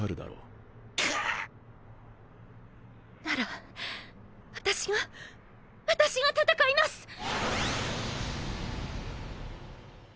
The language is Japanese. なら私が私が戦います！！